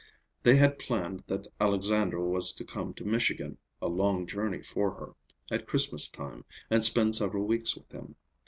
They had planned that Alexandra was to come to Michigan—a long journey for her—at Christmas time, and spend several weeks with him.